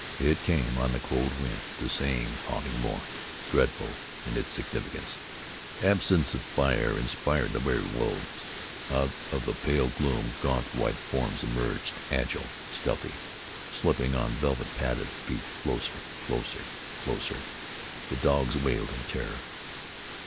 It came on the cold wind, the same haunting mourn, dreadful in its significance. Absence of fire inspirited the wary wolves. Out of the pale gloom gaunt white forms emerged, agile and stealthy, slipping on velvet padded feet, closer, closer, closer. The dogs wailed in terror.